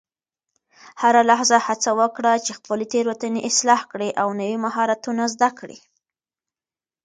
هره لحظه هڅه وکړه چې خپلې تیروتنې اصلاح کړې او نوي مهارتونه زده کړې.